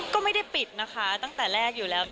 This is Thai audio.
ก็ไม่ได้ปิดนะคะตั้งแต่แรกอยู่แล้ว